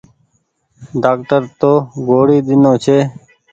ڍآڪٽر تو گوڙي ۮينو ڇي۔